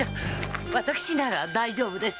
私なら大丈夫です。